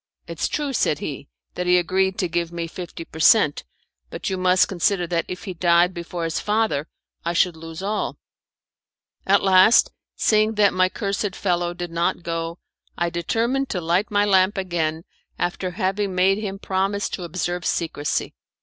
"It's true," said he, "that he agreed to give me fifty per cent., but you must consider that if he died before his father I should lose all." At last, seeing that my cursed fellow did not go, I determined to light my lamp again after having made him promise to observe secrecy.